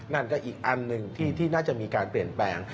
นั่นก็อีกอันหนึ่งที่น่าจะมีการเปลี่ยนแปลง